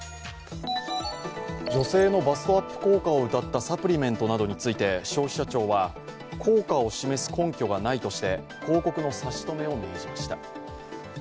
女性のバストアップ効果をうたったサプリメントなどについて消費者庁は、効果を示す根拠がないとして広告の差し止めを命じました。